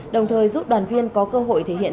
đồng thời giúp đoàn viên có cơ hội thể hiện